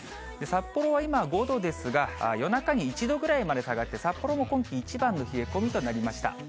札幌は今、５度ですが、夜中に１度ぐらいまで下がって、札幌も今季一番の冷え込みとなりました。